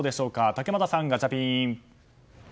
竹俣さん、ガチャピン！